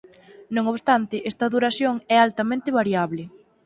Non obstante esta duración é altamente variable.